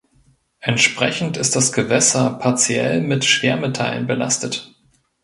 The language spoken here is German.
Entsprechend ist das Gewässer partiell mit Schwermetallen belastet.